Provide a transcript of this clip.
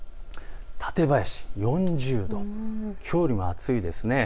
館林４０度、きょうよりも暑いです。